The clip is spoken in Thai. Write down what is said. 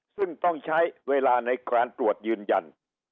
ซึ่งต้องใช้เวลาในการตรวจยืนยัน